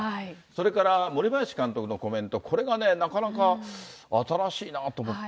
それから森林監督のコメント、これがね、なかなか新しいなと思って。